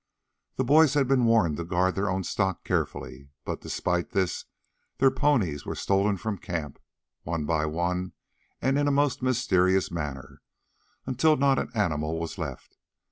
The boys had been warned to guard their own stock carefully, but despite this, their ponies were stolen from camp, one by one and in a most mysterious manner, until not an animal was left.